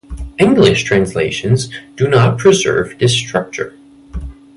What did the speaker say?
English translations do not preserve this structure.